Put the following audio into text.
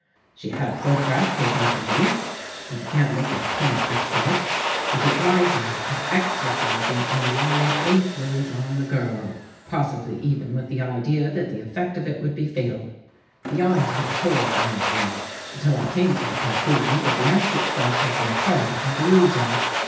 " She had a photograph taken of her niece and began making pin pricks in it, with the idea of exer cising a malign influence on the girl — possibly even DOCTOR CROW FORGETS with the idea that the effect of it would be fatal. The idea was horrifying to me, until I came to the conclusion that the act itself had been a part of her delusion.